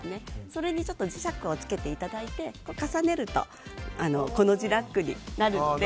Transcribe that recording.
それに磁石をつけていただいて重ねるとコの字ラックになるので。